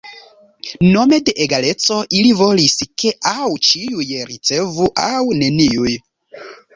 Nome de egaleco ili volis ke aŭ ĉiuj ricevu aŭ neniuj.